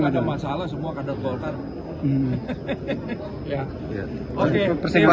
oh gak ada masalah semua kadang kadang